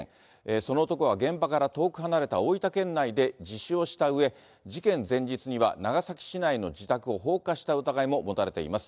その男は現場から遠く離れた大分県内で自首をしたうえ、事件前日には、長崎市内の自宅を放火した疑いも持たれています。